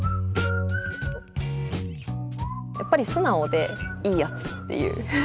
やっぱり素直でいいやつっていう。